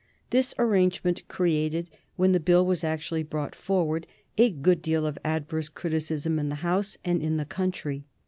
This arrangement created, when the Bill was actually brought forward, a good deal of adverse criticism in the House and in the country.